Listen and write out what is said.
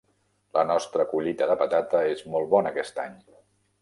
La nostra collita de patata és molt bona aquest any.